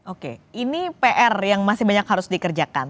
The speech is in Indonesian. oke ini pr yang masih banyak harus dikerjakan